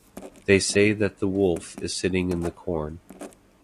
They say that the wolf is sitting in the corn.